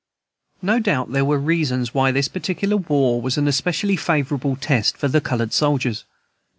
No doubt there were reasons why this particular war was an especially favorable test of the colored soldiers.